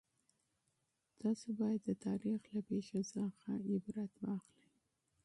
تاسو باید د تاریخ له پېښو څخه عبرت واخلئ.